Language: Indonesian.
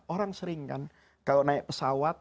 orang sering kan kalau naik pesawat